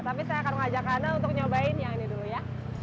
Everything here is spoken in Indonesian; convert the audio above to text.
tapi saya akan mengajak anda untuk nyobain yang ini dulu ya